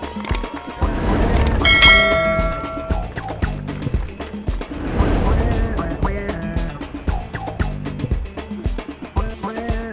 dia masih tidak berhasil